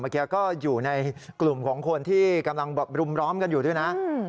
เมื่อกี้ก็อยู่ในกลุ่มของคนที่กำลังแบบรุมล้อมกันอยู่ด้วยนะ